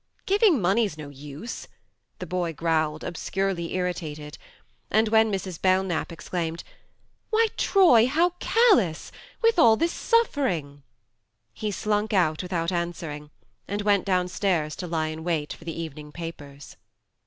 "Giving money's no use," the boy growled, obscurely irritated ; and when Mrs. Belknap exclaimed, " Why, Troy, how callom with all this suffering !" 18 THE MARNE he slunk out without answering, and went downstairs to lie in wait for the evening papers.